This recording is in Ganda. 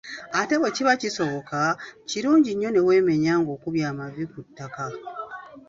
Ate bwe kiba kisoboka, kirungi nnyo ne weemenya ng'okubye amaviivi ku ttaka.